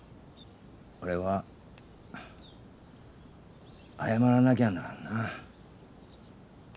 俺は謝らなきゃならんな。